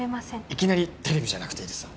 いきなりテレビじゃなくていいです